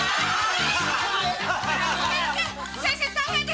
先生！